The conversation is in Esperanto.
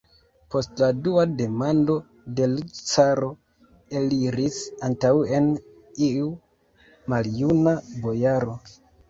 Post la dua demando de l' caro eliris antaŭen iu maljuna bojaro.